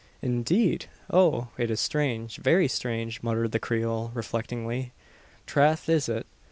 "Indeed! Oh! it is strange very strange!" muttered the Creole, reflectingly. "Trath, is it.